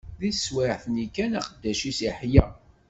Di teswiɛt-nni kan, aqeddac-is iḥla.